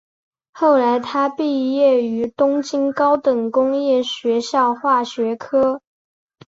后来他毕业于东京高等工业学校化学科。